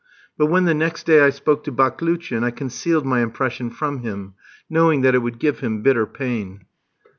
But when the next day I spoke to Baklouchin I concealed my impression from him, knowing that it would give him bitter pain.